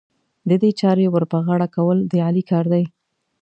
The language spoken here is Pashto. د دې چارې ور پر غاړه کول، د علي کار دی.